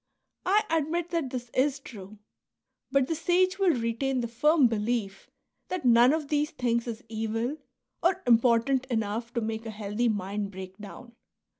I admit that this is true ; but the sage will retain the firm belief that none of these things is evil, or im portant enough to make a healthy mind break down.